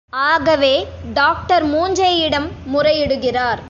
ஆகவே டாக்டர் மூஞ்சேயிடம் முறையிடுகிறார்.